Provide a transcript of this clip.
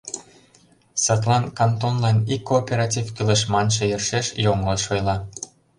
Садлан кантонлан ик кооператив кӱлеш манше йӧршеш йоҥылыш ойла.